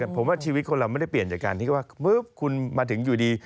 ผมว่าชีวิตคนเราไม่ได้เปลี่ยนจากการที่ว่าคุณมาถึงอยู่ดี